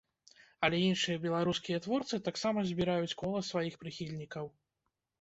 Але іншыя беларускія творцы таксама збіраюць кола сваіх прыхільнікаў.